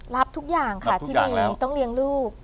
รับทุกอย่างค่ะที่มีต้องเลี้ยงลูก